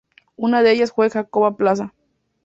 Una de ellas fue Jacoba Plaza.